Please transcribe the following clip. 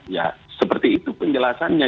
ya seperti itu penjelasannya